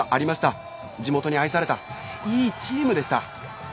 地元に愛されたいいチームでした。